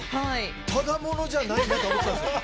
ただ者じゃないなと思ってましたけど。